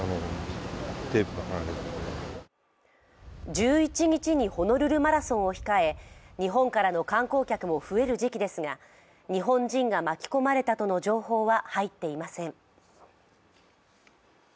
１１日にホノルルマラソンを控え、日本からの観光客も増える時期ですが日本人が巻き込まれたとの情報は入っていません。